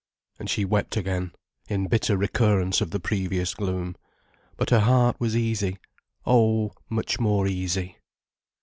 And she wept again, in bitter recurrence of the previous gloom. But her heart was easy—oh, much more easy.